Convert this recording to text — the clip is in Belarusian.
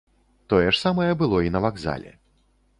Тое ж самае было і на вакзале.